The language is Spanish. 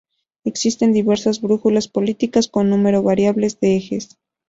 Existen diversas brújulas políticas, con número variable de ejes.